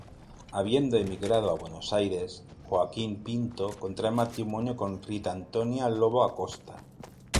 Habiendo emigrado a Buenos Aires, Joaquín Pinto contrae matrimonio con Rita Antonia Lobo Acosta.